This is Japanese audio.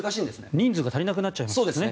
人数が足りなくなっちゃうんですね。